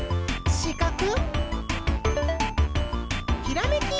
しかく！